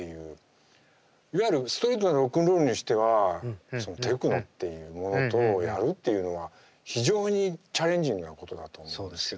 いわゆるストリートなロックンロールにしてはテクノっていうものとやるっていうのは非常にチャレンジングなことだと思うんですけども。